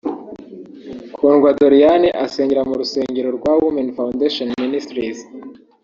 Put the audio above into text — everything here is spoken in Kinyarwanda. Kundwa Doriane asengera mu rusengero rwa Women Foundation Ministries